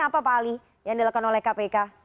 apa pak ali yang dilakukan oleh kpk